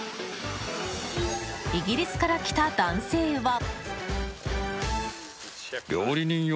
イギリスから来た男性は。